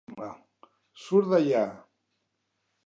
Surt d'allà.